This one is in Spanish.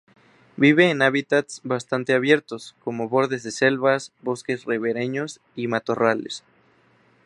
Vive en hábitats bastante abiertos, como bordes de selvas, bosques ribereños y matorrales.